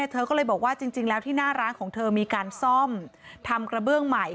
เธอก็เลยบอกว่าจริงแล้วที่หน้าร้านของเธอมีการซ่อมทำกระเบื้องใหม่